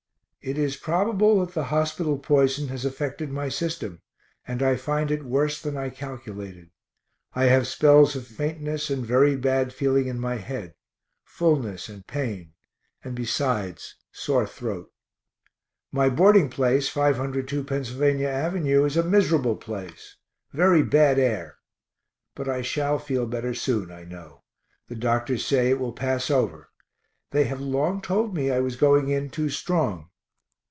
It is probable that the hospital poison has affected my system, and I find it worse than I calculated. I have spells of faintness and very bad feeling in my head, fullness and pain and besides sore throat. My boarding place, 502 Pennsylvania av., is a miserable place, very bad air. But I shall feel better soon, I know the doctors say it will pass over they have long told me I was going in too strong.